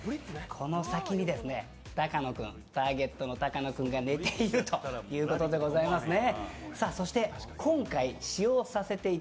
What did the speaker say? この先にターゲットの高野君が寝ているということでございますね。